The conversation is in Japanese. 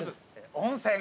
温泉。